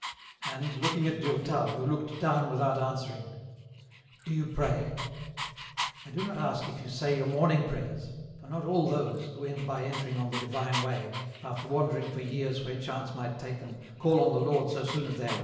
And looking at Durtal, who looked down without answering, —" Do you pray ? I do not ask if you say your morning prayers, for not all those, who end by entering on the divme way, after wandering for years where chance might take them, call on the Lord so soon as they awake.